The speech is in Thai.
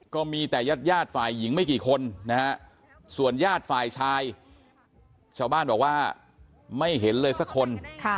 ก็มีแต่ญาติญาติฝ่ายหญิงไม่กี่คนนะฮะส่วนญาติฝ่ายชายชาวบ้านบอกว่าไม่เห็นเลยสักคน